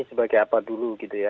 sebagai apa dulu gitu ya